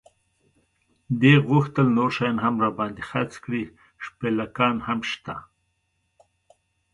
دې غوښتل نور شیان هم را باندې خرڅ کړي، شپلېکان هم شته.